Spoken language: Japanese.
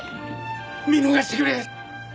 見逃してくれ！